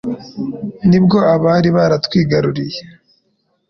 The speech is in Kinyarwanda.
Ni bwo abari baratwigaruriye